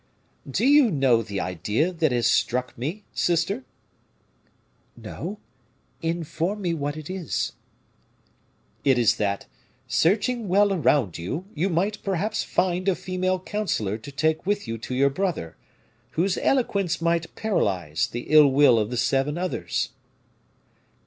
"Do you know the idea that has struck me, sister?" "No; inform me what it is." "It is that, searching well around you, you might perhaps find a female counselor to take with you to your brother, whose eloquence might paralyze the ill will of the seven others."